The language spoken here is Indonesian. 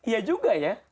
iya juga ya